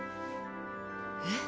えっ？